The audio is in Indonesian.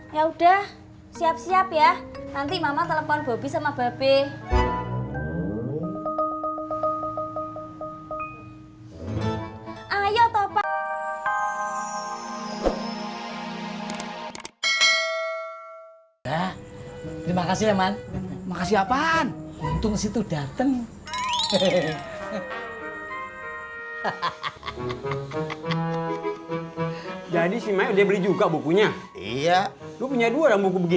yaudah siap siap ya nanti mama telepon bobi sama babe